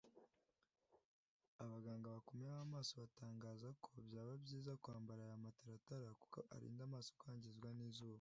Abaganga bakomeye b’amaso batangaza ko byaba byiza kwambara aya mataratara kuko arinda amaso kwangizwa n’izuba